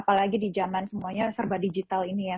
apalagi di zaman semuanya serba digital ini ya